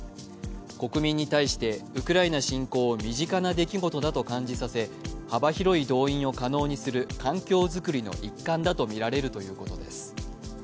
国民に対してウクライナ侵攻を身近な出来事だと感じさせ幅広い動員を可能にする環境づくりの一環だとみられるということです。